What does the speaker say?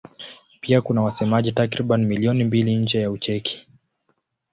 Pia kuna wasemaji takriban milioni mbili nje ya Ucheki.